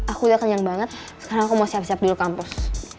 aku ya kenyang banget sekarang aku mau siap siap dulu kampus